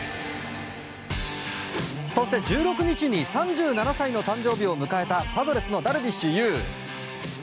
そして、１６日に３７歳の誕生日を迎えたパドレスのダルビッシュ有。